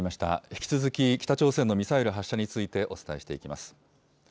引き続き北朝鮮のミサイル発射について、お伝えしていきます。